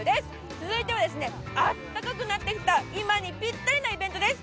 続いてはあったかくなってきた今にぴったりなイベントです